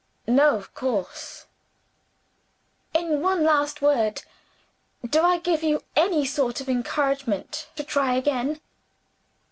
"No of course." "In one last word, do I give you any sort of encouragement to try again?"